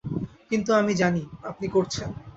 কিন্তু আমি জানি, আপনি করছেন।